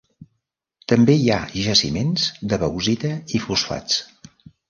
També hi ha jaciments de bauxita i fosfats.